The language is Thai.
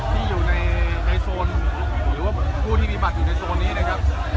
ที่อยู่ในโซนหรือว่าผู้ที่มีบัตรอยู่ในโซนนี้นะครับ